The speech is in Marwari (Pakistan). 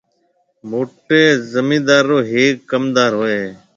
موٽيَ زميندار رو هيَڪ ڪمندار هوئي هيَ۔